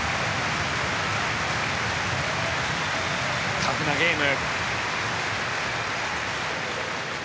タフなゲーム。